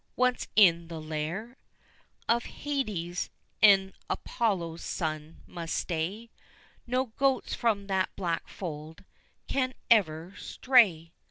Once in the lair Of Hades, e'en Apollo's son must stay, No goats from that black fold can ever stray."